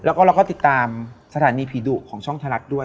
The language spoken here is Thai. แล้วก็เราก็ติดตามสถานีผีดุของช่องทะลักด้วย